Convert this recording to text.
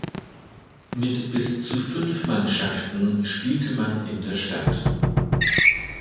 Mit bis zu fünf Mannschaften spielte man in der Stadt.